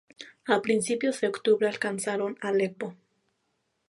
A principios de octubre, alcanzaron Alepo.